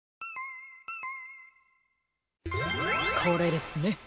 これですね。